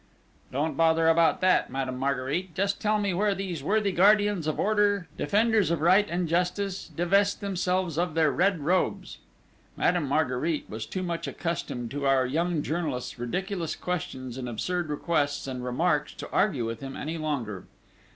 "Don't bother about that, Madame Marguerite! Just tell me where these worthy guardians of order, defenders of right and justice, divest themselves of their red robes?" Madame Marguerite was too much accustomed to our young journalist's ridiculous questions and absurd requests and remarks to argue with him any longer.